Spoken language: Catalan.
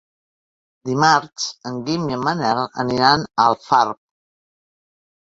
Dimarts en Guim i en Manel aniran a Alfarb.